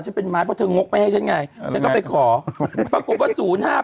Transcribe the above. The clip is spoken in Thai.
ฉันเป็นไม้เพราะเธองกไม่ให้ฉันไงฉันก็ไปขอปรากฏว่า๐๕๘